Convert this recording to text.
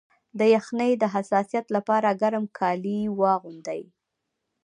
د یخنۍ د حساسیت لپاره ګرم کالي واغوندئ